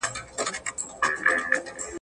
زه اوږده وخت ليکلي پاڼي ترتيب کوم،